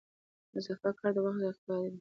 اضافه کاري د وخت زیات کار دی